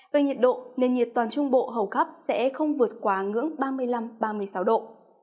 về nhiệt độ nền nhiệt toàn trung bộ hầu khắp sẽ không vượt quá ngưỡng ba mươi năm ba mươi sáu độ